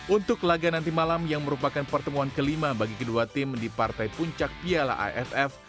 untuk laga nanti malam yang merupakan pertemuan kelima bagi kedua tim di partai puncak piala aff